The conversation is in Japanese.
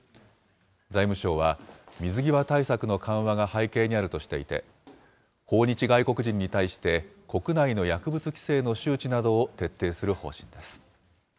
財務省は、水際対策の緩和が背景にあるとしていて、訪日外国人に対して国内の薬物規制の周知などを徹底する方針です。